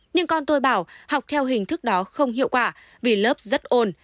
nhưng con tôi bảo học theo hình thức đó không hiệu quả vì lớp rất ồn